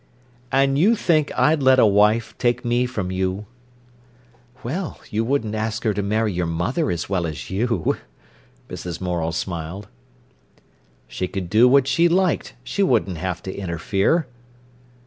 '" "And you think I'd let a wife take me from you?" "Well, you wouldn't ask her to marry your mother as well as you," Mrs. Morel smiled. "She could do what she liked; she wouldn't have to interfere."